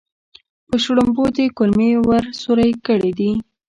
په شړومبو دې کولمې ور سورۍ کړې دي.